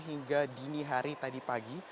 hingga dini hari tadi pagi